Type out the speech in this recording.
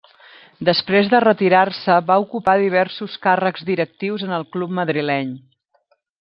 Després de retirar-se va ocupar diversos càrrecs directius en el club madrileny.